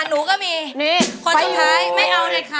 ดูผมค่ะ